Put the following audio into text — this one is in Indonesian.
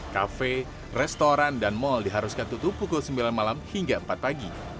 kafe restoran dan mal diharuskan tutup pukul sembilan malam hingga empat pagi